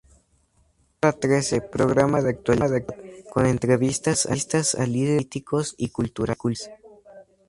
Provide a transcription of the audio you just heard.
Hora trece, programa de actualidad con entrevistas a líderes políticos y culturales.